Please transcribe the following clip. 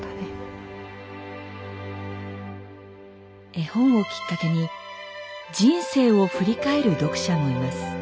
絵本をきっかけに人生を振り返る読者もいます。